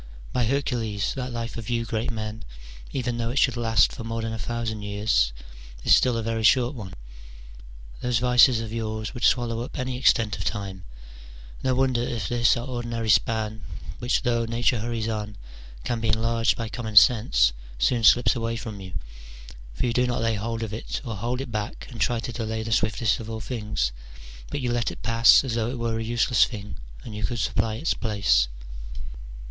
By Her cules, that life of you great men, even though it should last for more than a thousand years, is still a very short one : those vices of yours would swallow up any extent of time : no wonder if this our ordinary span, which, though Nature hurries on, can be enlarged by common sense, soon slips away from you : for you do not lay hold of it or hold it back, and try to delay the swiftest of all things, but you let it pass as though it were a useless thing and you could supply its place.